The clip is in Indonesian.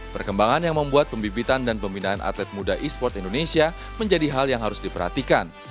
perkembangan yang membuat pembibitan dan pembinaan atlet muda e sports indonesia menjadi hal yang harus diperhatikan